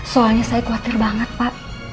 soalnya saya khawatir banget pak